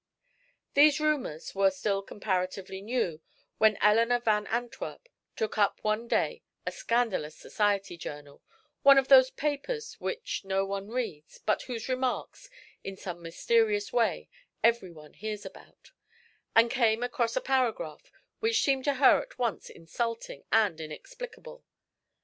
These rumors were still comparatively new when Eleanor Van Antwerp took up one day a scandalous society journal (one of those papers which no one reads, but whose remarks, in some mysterious way, every one hears about) and came across a paragraph, which seemed to her at once insulting and inexplicable.